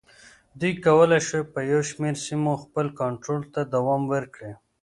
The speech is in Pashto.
دوی کولای شوای په یو شمېر سیمو خپل کنټرول ته دوام ورکړي.